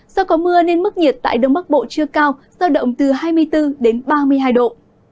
do có mưa nên mức nhiệt tại đông bắc bộ chưa cao giao động từ hai mươi bốn đến ba mươi hai độ